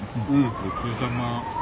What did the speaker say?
ごちそうさま。